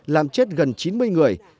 làm chết gần chín mươi người